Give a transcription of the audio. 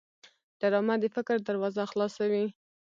ډرامه د فکر دروازه خلاصوي